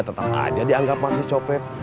tetap aja dianggap masih copet